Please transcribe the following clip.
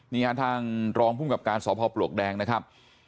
เนี้ยทางรองพลุ่งกลางการสพปแดงนะครับ